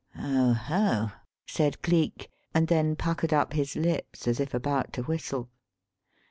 '" "Oho!" said Cleek; and then puckered up his lips as if about to whistle.